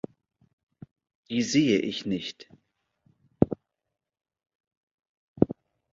Die sehe ich nicht.